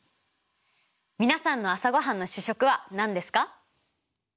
皆さんの朝ごはんの主食は何ですか？